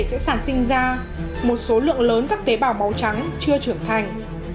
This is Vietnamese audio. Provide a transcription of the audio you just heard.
sẽ sản sinh ra một số lượng lớn các tế bào màu trắng chưa trưởng thành